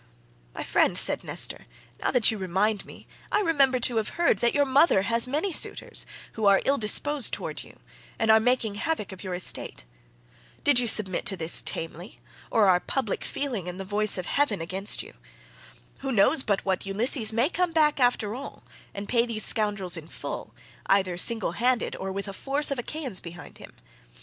"My friend," said Nestor, "now that you remind me, I remember to have heard that your mother has many suitors, who are ill disposed towards you and are making havoc of your estate. Do you submit to this tamely, or are public feeling and the voice of heaven against you? Who knows but what Ulysses may come back after all, and pay these scoundrels in full, either single handed or with a force of Achaeans behind him?